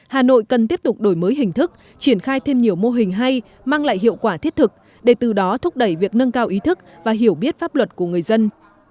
hà nội cần tiếp tục đổi mới hình thức triển khai thêm nhiều mô hình hay mang lại hiệu quả thiết thực để từ đó thúc đẩy việc nâng cao ý thức và hiểu biết pháp luật của người dân